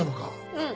うん。